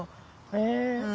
へえ。